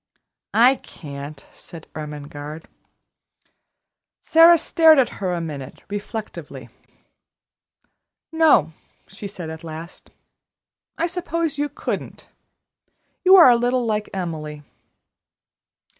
"I can't," said Ermengarde. Sara stared at her a minute reflectively. "No," she said at last. "I suppose you couldn't. You are a little like Emily."